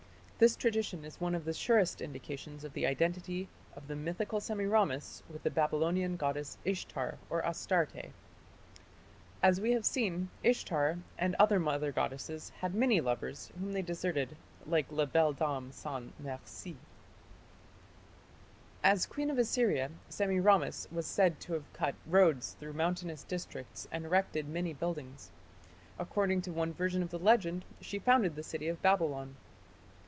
This tradition is one of the surest indications of the identity of the mythical Semiramis with the Babylonian goddess Ishtar or Astarte." As we have seen, Ishtar and other mother goddesses had many lovers whom they deserted like La Belle Dame sans Merci (pp. 174 175). As Queen of Assyria, Semiramis was said to have cut roads through mountainous districts and erected many buildings. According to one version of the legend she founded the city of Babylon.